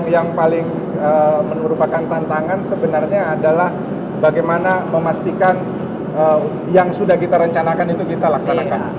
yang paling merupakan tantangan sebenarnya adalah bagaimana memastikan yang sudah kita rencanakan itu kita laksanakan